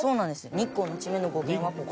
日光の地名の語源はここ。